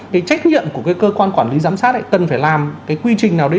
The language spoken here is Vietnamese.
trách nhiệm của cơ quan quản lý giám sát cần phải làm quy trình nào đấy